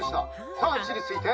さあいちについて。